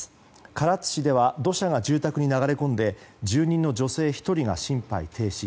唐津市では土砂が住宅に流れ込んで住人の女性１人が心肺停止。